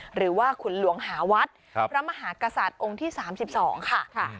หรือว่าคุณหลวงหาวัดครับพระมหากษาติองค์ที่สามสิบสองค่ะค่ะ